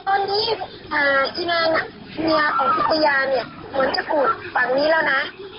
ตอนนี้อีงานเมียของสุปยาเนี่ยเหมือนจะกูดฝั่งนี้แล้วนะ